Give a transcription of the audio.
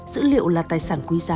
sữ liệu là tài sản